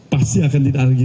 pasti akan didalagi